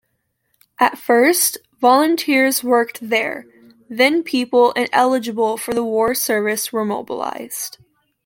At first, volunteers worked there-then people ineligible for the war service were mobilized.